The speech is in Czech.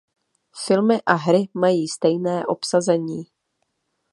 Filmy a hry mají stejné obsazení.